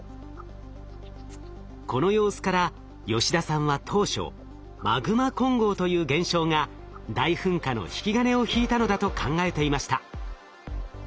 この様子から吉田さんは当初マグマ混合という現象が大噴火の引き金を引いたのだと考えていました。